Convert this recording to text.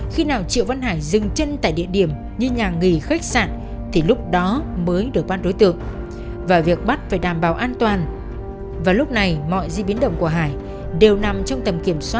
khi mà chủ nhà mình lên cầm cái điều kiện đó